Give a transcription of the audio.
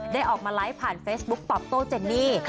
ได้ออกมาไลฟ์ผ่านเฟซบุ๊กตอบโต้เจนนี่